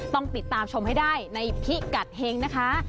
ต้องติดตามชมให้ได้ในพิกัดเฮงนะคะ